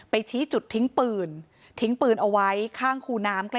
ชี้จุดทิ้งปืนทิ้งปืนเอาไว้ข้างคูน้ำ